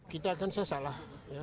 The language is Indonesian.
kita kan sesak lah